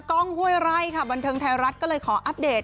กล้องห้วยไร่ค่ะบันเทิงไทยรัฐก็เลยขออัปเดต